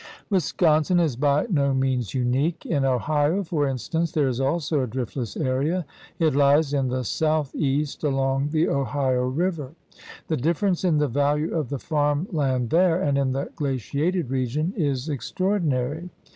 Wisconsin is by no means unique. In Ohio, for instance, there is also a driftless area.' It lies in the southeast along the Ohio River. The differ ence in the value of the farm land there and in the glaciated region is extraordinary.